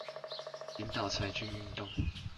領導裁軍運動